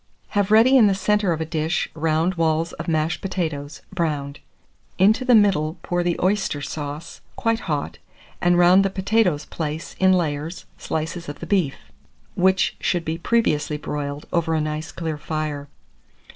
Have ready in the centre of a dish round walls of mashed potatoes, browned; into the middle pour the oyster sauce, quite hot, and round the potatoes place, in layers, slices of the beef, which should be previously broiled over a nice clear fire.